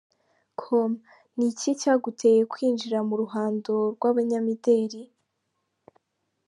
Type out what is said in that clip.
com: Ni iki cyaguteye kwinjira mu ruhando rw’abanyamideli?.